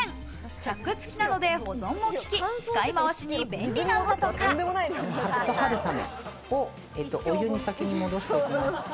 チャック付きなので保存もきき、使いまわしに便利だとか。